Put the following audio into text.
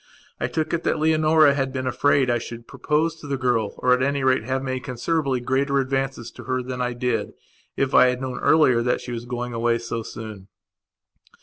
I took it that Leonora had been afraid I should propose to the girl or, at any rate, have made considerably greater advances to her than I did, if I had known earlier that she was going away so soon.